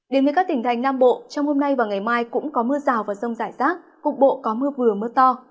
đến với các tỉnh thành nam bộ trong hôm nay và ngày mai cũng có mưa rào và rông rải rác cục bộ có mưa vừa mưa to